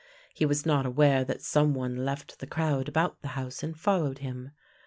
He was not aware that some one left the crowd about the house and followed him.